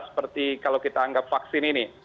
seperti kalau kita anggap vaksin ini